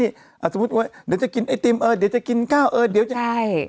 อีกสักระดับหนึ่ง